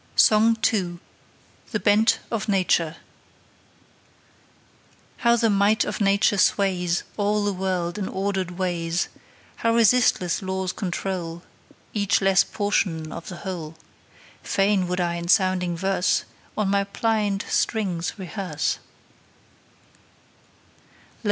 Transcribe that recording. SONG II. THE BENT OF NATURE. How the might of Nature sways All the world in ordered ways, How resistless laws control Each least portion of the whole Fain would I in sounding verse On my pliant strings rehearse.